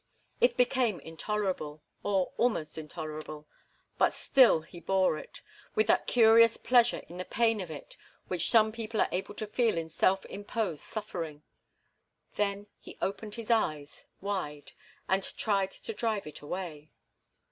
It became intolerable, or almost intolerable, but still he bore it, with that curious pleasure in the pain of it which some people are able to feel in self imposed suffering. Then he opened his eyes wide, and tried to drive it away.